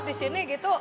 di sini gitu